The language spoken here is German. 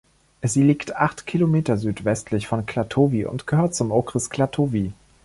Sie liegt acht Kilometer südwestlich von Klatovy und gehört zum Okres Klatovy.